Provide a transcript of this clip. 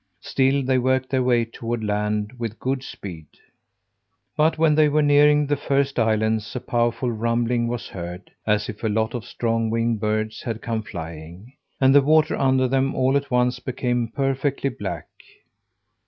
Still they worked their way toward land with good speed. But when they were nearing the first islands a powerful rumbling was heard, as if a lot of strong winged birds had come flying; and the water under them, all at once, became perfectly black.